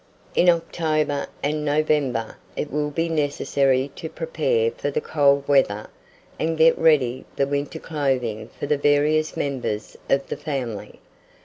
In October and November, it will be necessary to prepare for the cold weather, and get ready the winter clothing for the various members of the family.